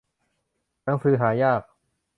หนังสือหายาก